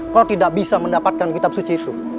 kau tidak bisa mendapatkan kitab suci itu